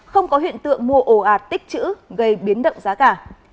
không có hiện tượng mua ồ ạt tích chữ gây biến động giá cả